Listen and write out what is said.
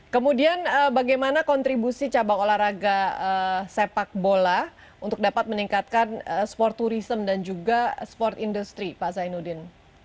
kemudian bagaimana kontribusi cabang olahraga sepak bola untuk dapat meningkatkan sport tourism dan juga sport industry pak zainuddin